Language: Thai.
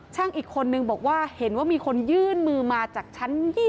อีกคนนึงบอกว่าเห็นว่ามีคนยื่นมือมาจากชั้น๒๐